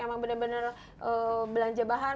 emang bener bener belanja bahan